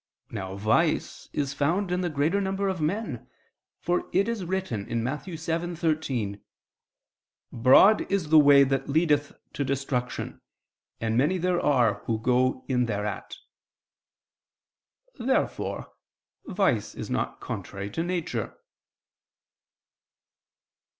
Now vice is found in the greater number of men; for it is written (Matt. 7:13): "Broad is the way that leadeth to destruction, and many there are who go in thereat." Therefore vice is not contrary to nature.